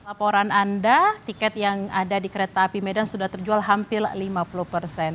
laporan anda tiket yang ada di kereta api medan sudah terjual hampir lima puluh persen